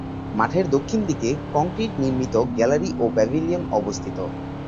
মাঠের দক্ষিণ দিকে কংক্রিট-নির্মিত গ্যালারি ও প্যাভিলিয়ন অবস্থিত।